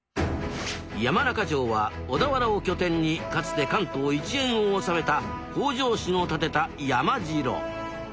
山中城は小田原を拠点にかつて関東一円を治めた北条氏の建てた山城。